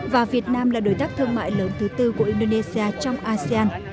và việt nam là đối tác thương mại lớn thứ tư của indonesia trong asean